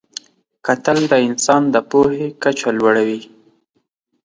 کتل د انسان د پوهې کچه لوړوي